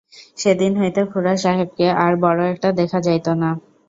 সেদিন হইতে খুড়াসাহেবকে আর বড়ো একটা দেখা যাইত না।